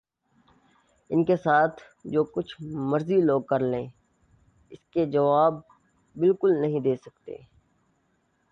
ان کے ساتھ جو کچھ مرضی لوگ کر لیں اس کے جواب بالکل نہیں دے سکتے